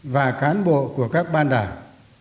và cán bộ của các ban đảng